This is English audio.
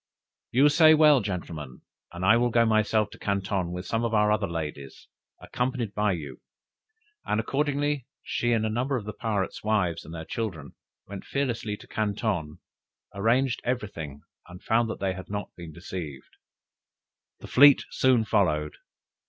"You say well, gentlemen! and I will go myself to Canton with some other of our ladies, accompanied by you!" And accordingly, she and a number of the pirates' wives with their children, went fearlessly to Canton, arranged every thing, and found they had not been deceived. The fleet soon followed.